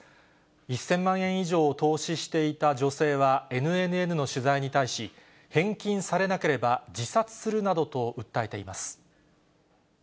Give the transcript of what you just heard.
１０００万円以上を投資していた女性はＮＮＮの取材に対し、返金されなければ、自殺するなどと訴えています。